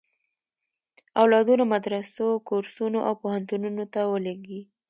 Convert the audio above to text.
اولادونه مدرسو، کورسونو او پوهنتونونو ته ولېږي.